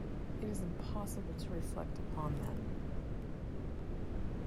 It is impossible to reflect upon them.